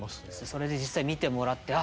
それで実際見てもらってあ！